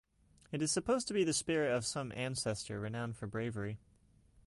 It is supposed to be the spirit of some ancestor renowned for bravery.